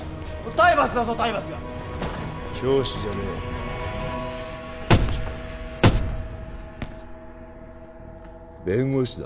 体罰だぞ体罰教師じゃねえ弁護士だ